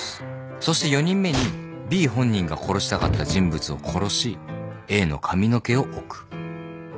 そして４人目にＢ本人が殺したかった人物を殺しＡの髪の毛を置く。